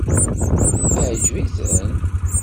Iɛǧeb-iten?